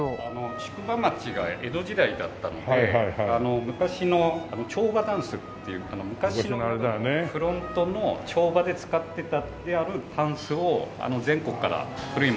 宿場町が江戸時代だったので昔の帳場箪笥っていう昔のフロントの帳場で使ってた箪笥を全国から古いものを。